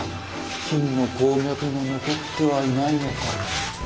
金の鉱脈が残ってはいないのか。